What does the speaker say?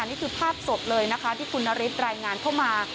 นี่คือภาพสดเลยนะคะที่คุณนฤทธิรายงานเข้ามา